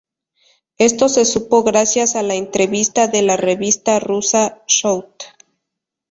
Esto se supo gracias a la entrevista de la revista Rusa "Shout!